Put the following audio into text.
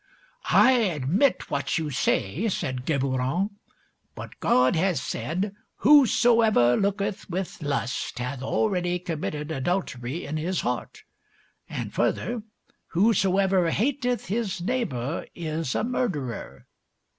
(9) "I admit what you say," said Geburon, "but God has said, 'Whosoever looketh with lust, hath already committed adultery in his heart,' and further, 'Whosoever hateth his neighbour is a murderer.